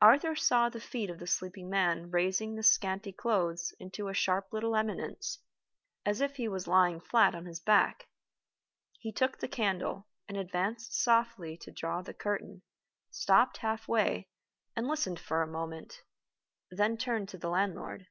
Arthur saw the feet of the sleeping man raising the scanty clothes into a sharp little eminence, as if he was lying flat on his back. He took the candle, and advanced softly to draw the curtain stopped half way, and listened for a moment then turned to the landlord.